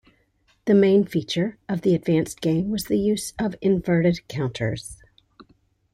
The main feature of the advanced game was the use of inverted counters.